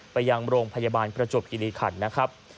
ไปยังโรงพยาบาลประจวบคิริขันนะครับ